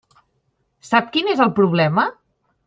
Sap quin és el problema?